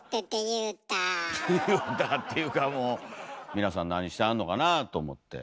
言うたっていうかもう皆さん何してはんのかなぁと思って。